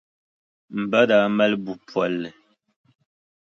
M ba daa mali buʼ polli.